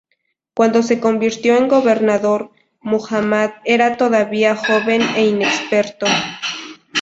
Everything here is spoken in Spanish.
Cuando se convirtió en gobernador, Muhámmad era todavía joven e inexperto.